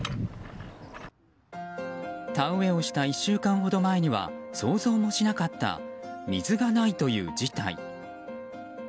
田植えをした１週間ほど前には想像もしなかった水がないという事態。